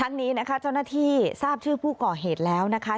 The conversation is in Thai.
นี้นะคะเจ้าหน้าที่ทราบชื่อผู้ก่อเหตุแล้วนะคะ